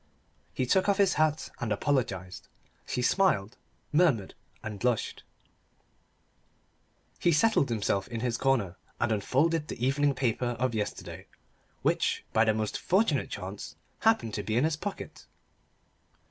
He took off his hat and apologised. She smiled, murmured, and blushed. He settled himself in his corner, and unfolded the evening paper of yesterday which, by the most fortunate chance, happened to be in his pocket.